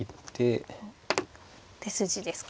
手筋ですか。